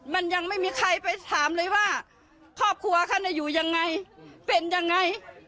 มันยังไม่มีใครไปถามเลยว่าครอบครัวท่านอยู่ยังไงเป็นยังไง